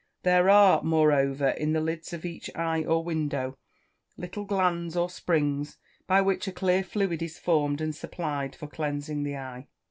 There are, moreover, in the lids of each eye or window, little glands, or springs, by which a clear fluid is formed and supplied for cleansing the eye.